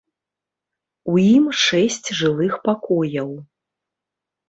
У ім шэсць жылых пакояў.